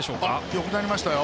よくなりましたよ。